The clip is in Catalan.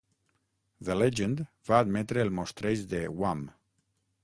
The Legend va admetre el mostreig de Wham!